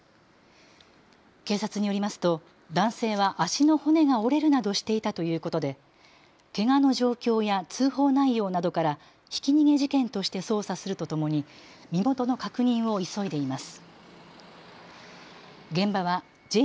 警察によりますと男性は足の骨が折れるなどしていたということでけがの状況や通報内容などからひき逃げ事件として捜査するとともに身元の確認を急いでいます。